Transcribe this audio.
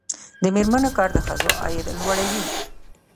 د میرمنو کار د ښځو عاید لوړوي.